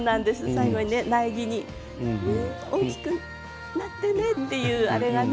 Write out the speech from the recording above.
最後に苗木に「大きくなってね」っていうあれがね